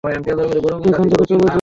তুই এখান থেকে চলে যা!